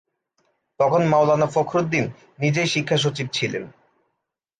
তখন মাওলানা ফখরুদ্দীন নিজেই শিক্ষা সচিব ছিলেন।